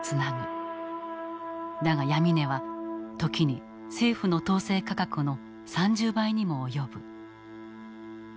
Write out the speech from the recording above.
だがヤミ値は時に政府の統制価格の３０倍にも及ぶ。